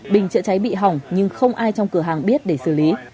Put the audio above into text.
bình chữa cháy bị hỏng nhưng không ai trong cửa hàng biết để xử lý